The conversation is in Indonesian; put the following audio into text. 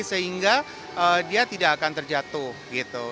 sehingga dia tidak akan terlalu berpikir